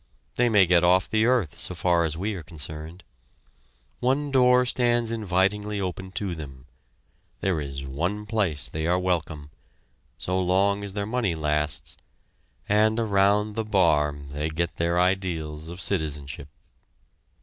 They may get off the earth so far as we are concerned. One door stands invitingly open to them. There is one place they are welcome so long as their money lasts and around the bar they get their ideals of citizenship.